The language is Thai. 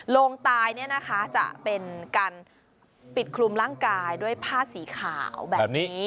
โรงตายจะเป็นการปิดคลุมร่างกายด้วยผ้าสีขาวแบบนี้